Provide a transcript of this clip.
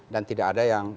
dan tidak ada yang